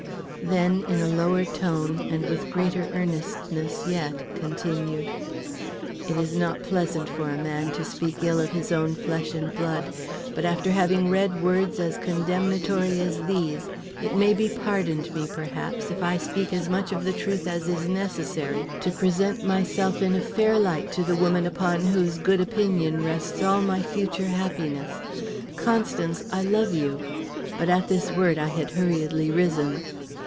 Then, in a lower tone and with greater earnestness yet, continued, "It is not pleasant for a man to speak ill of his own flesh and blood; but after having read words as condemnatory as these, it may be pardoned me, perhaps, if I speak as much of the truth as is necessary to present myself in a fair light to the woman upon whose good opinion rests all my future happiness. Constance, I love you " But at this word I had hurriedly risen.